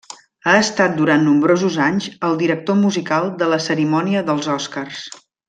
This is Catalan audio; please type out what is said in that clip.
Ha estat durant nombrosos anys, el director musical de la cerimònia dels Oscars.